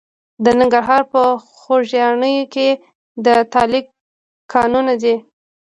د ننګرهار په خوږیاڼیو کې د تالک کانونه دي.